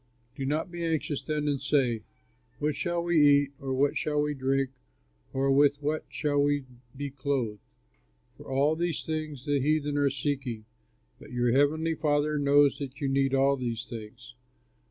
"Do not be anxious then and say, 'What shall we eat or what shall we drink or with what shall we be clothed?' For all these things the heathen are seeking, but your heavenly Father knows that you need all these things.